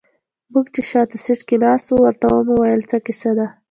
موږ چې شاته سيټ کې ناست وو ورته ومو ويل څه کيسه ده.